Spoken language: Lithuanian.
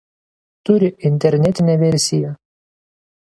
Turi internetinę versiją.